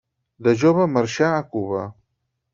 De jove marxà a Cuba.